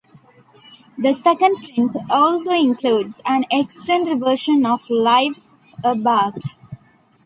The second print also includes an extended version of "Life's a Bath".